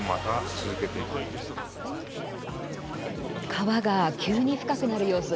川が急に深くなる様子